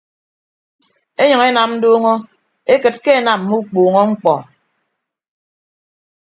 Enyʌñ enam nduuñọ ekịt ke enam mme ukpuuñọ ñkpọ.